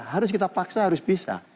harus kita paksa harus bisa